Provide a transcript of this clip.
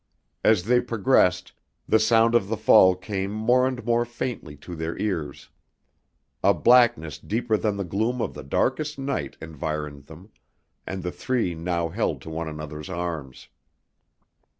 As they progressed the sound of the fall came more and more faintly to their ears. A blackness deeper than the gloom of the darkest night environed them, and the three now held to one another's arms.